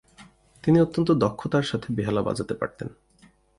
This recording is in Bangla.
তিনি অত্যন্ত দক্ষতার সাথে বেহালা বাজাতে পারতেন।